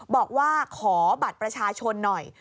บอกว่าขอบัตรประชาชนหน่อย